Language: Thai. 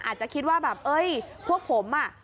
อาจจะคิดว่าแบบเอ้ยพวกผมอ่ะ